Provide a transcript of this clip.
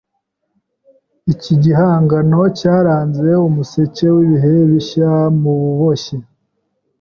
Iki gihangano cyaranze umuseke wibihe bishya mububoshyi.